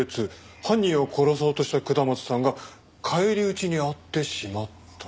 犯人を殺そうとした下松さんが返り討ちにあってしまった。